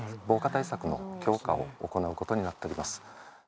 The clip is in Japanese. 防火対策の強化を行うことになっております